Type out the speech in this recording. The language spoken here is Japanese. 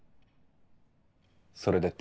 それでって？